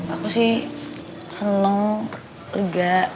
aku sih seneng lega